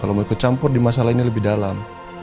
kalau mau ikut campur di masalah ini lebih dalam